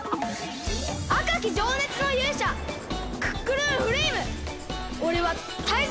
あかきじょうねつのゆうしゃクックルンフレイムおれはタイゾウ！